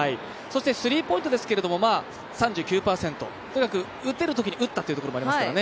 スリーポイントでしたけども３９％、とにかく打てるときに打ったということですね。